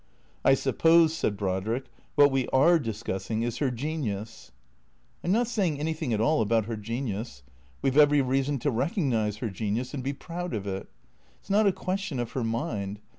" I suppose," said Brodrick, " what we are discussing is her genius ?"" I 'm not saying anything at all about her genius. We 've every reason to recognize her genius and be proud of it. It 's not a question of her mind.